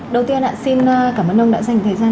đầu tiên xin cảm ơn ông đã dành thời gian